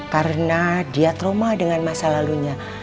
karena dia trauma dengan masa lalunya